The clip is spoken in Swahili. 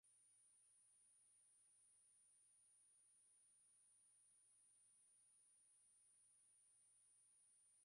hii leo kutafuta uungwaji mkono wa kushawishi korea kaskazini